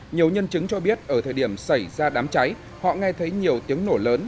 nhiều nhân chứng cho biết ở thời điểm xảy ra đám cháy họ nghe thấy nhiều tiếng nổ lớn